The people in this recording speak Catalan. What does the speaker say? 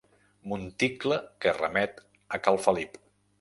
Monticle que remet a cal Felip.